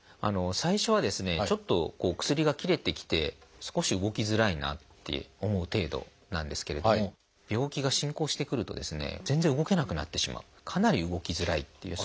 最初はですねちょっと薬が切れてきて少し動きづらいなって思う程度なんですけれども病気が進行してくるとですね全然動けなくなってしまうかなり動きづらいっていう。